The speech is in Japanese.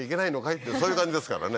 ってそういう感じですからね